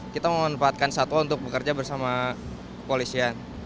kita memanfaatkan satwa untuk bekerja bersama kepolisian